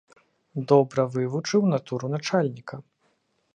Добра вывучыў натуру начальніка.